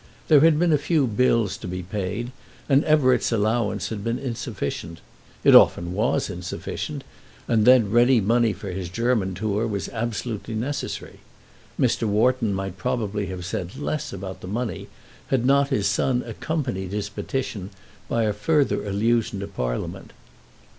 There had been a few bills to be paid, and Everett's allowance had been insufficient. It often was insufficient, and then ready money for his German tour was absolutely necessary. Mr. Wharton might probably have said less about the money had not his son accompanied his petition by a further allusion to Parliament.